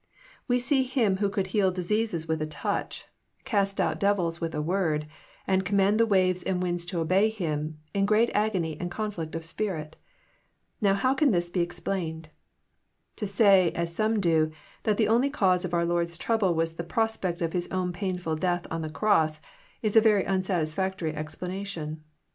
We see Him who could heal diseases with a 342 EXPOsrroBr thoughts. touch, cast out devils with a word, and command the waves and winds to obey Him, in great agony and conflict of spirit. Now bow can this be explained? To say, as some do, that the only cause of our Lord^s trouble was the prospect of His own painful death on the cross, is a very unsatisfactory explanation.